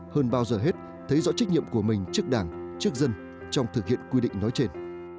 hơn bao giờ hết thấy rõ trách nhiệm của mình trước đảng trước dân trong thực hiện quy định nói trên